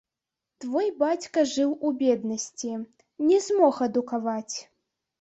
Твой бацька жыў у беднасці, не змог адукаваць.